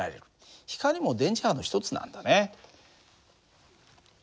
光も電磁波の一つなんだね。